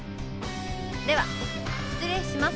では失礼します。